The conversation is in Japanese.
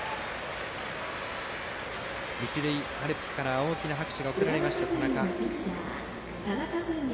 田中には一塁アルプスから大きな拍手が送られました。